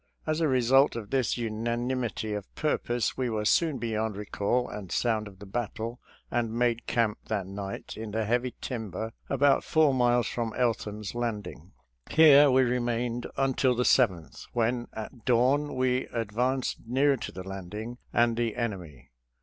As a result of this unanimity of purpose we were soon beyond recall and sound of the battle and made camp that night in the heavy timber about four miles from Eltham's Landing. Here we remained until the 7th, when at dawn we advanced nearer to the landing and the en emy.